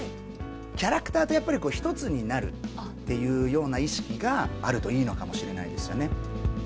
キャラクターとやっぱり一つになるっていうような意識があるといいのかもしれないですよね。